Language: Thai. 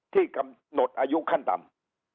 ที่กำหนดอายุขั้นต่ำ